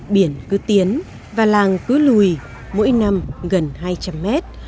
biển cứ tiến và làng cứ lùi mỗi năm gần hai trăm linh mét